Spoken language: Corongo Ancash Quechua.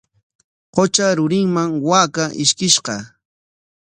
Qutra rurinman waakaa ishkishqa.